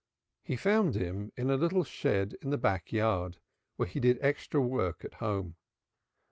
He found him in a little shed in the back yard where he did extra work at home.